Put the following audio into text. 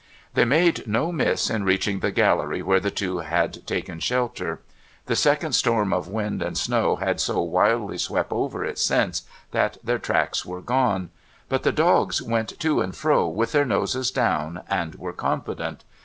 They made no miss in reaching the Gallery where the two had taken shelter. The second storm of wind and snow had so wildly swept over it since, that their tracks were gone. But the dogs went to and fro with their noses down, and were confident.